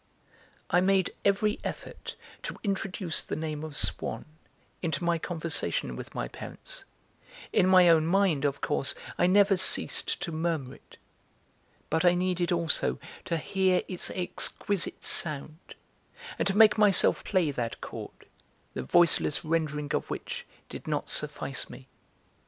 I made every effort to introduce the name of Swann into my conversation with my parents; in my own mind, of course, I never ceased to murmur it; but I needed also to hear its exquisite sound, and to make myself play that chord, the voiceless rendering of which did not suffice me.